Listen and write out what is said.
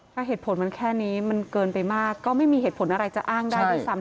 ถ้าเหตุผลมันแค่นี้มันเกินไปมากก็ไม่มีเหตุผลอะไรจะอ้างได้ด้วยซ้ำ